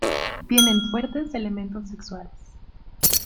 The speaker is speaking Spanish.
Tienen fuertes elementos sexuales.